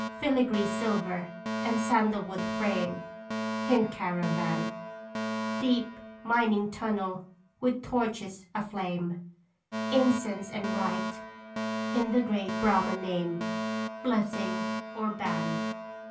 Filigree silver and sandal wood frame Hint caravan ; Deep mining tunnel with torches aflame ; Incense and rite in the great Brahma name, Blessing or ban.